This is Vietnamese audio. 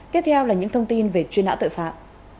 tiếp theo là những thông tin về chuyên ảo tội phạm